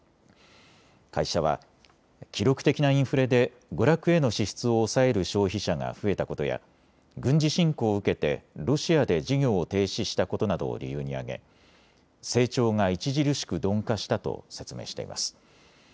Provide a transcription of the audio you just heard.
会社は記録的なインフレで娯楽への支出を抑える消費者が増えたことや軍事侵攻を受けてロシアで事業を停止したことなどを理由に挙げ成長が著しく鈍化したと説明しています。